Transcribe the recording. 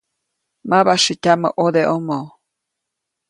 Mabasyätyamä ʼodeʼomo.